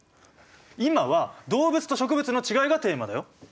今は動物と植物のちがいがテーマだよ。